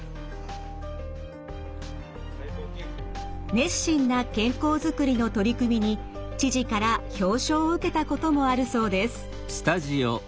熱心な健康づくりの取り組みに知事から表彰を受けたこともあるそうです。